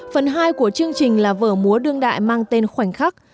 phần hai của chương trình là vở múa đương đại mang tên khoảnh khắc